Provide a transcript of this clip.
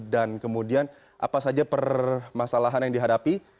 dan kemudian apa saja permasalahan yang dihadapi